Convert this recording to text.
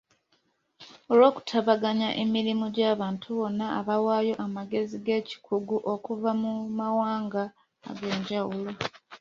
Olw’okutabaganya emirimu gy’abantu bonna abawaayo amagezi ag’ekikugu okuva mu mawanga ag’enjawulo.